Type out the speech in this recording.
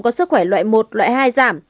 có sức khỏe loại một loại hai giảm